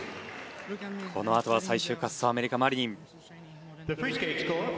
このあとは最終滑走アメリカマリニン。